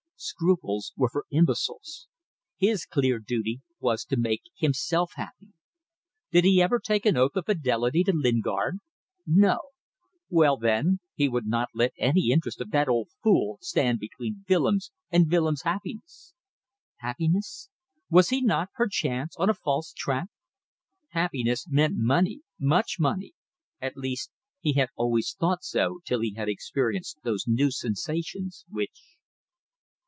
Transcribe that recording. Scruples were for imbeciles. His clear duty was to make himself happy. Did he ever take an oath of fidelity to Lingard? No. Well then he would not let any interest of that old fool stand between Willems and Willems' happiness. Happiness? Was he not, perchance, on a false track? Happiness meant money. Much money. At least he had always thought so till he had experienced those new sensations which